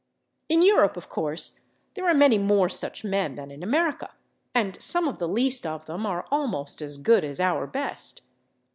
In Europe, of course, there are many more such men than in America, and some of the least of them are almost as good as our best.